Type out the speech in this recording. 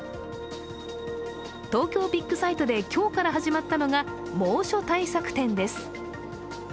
東京ビッグサイトで今日から始まったのが猛暑対策展です。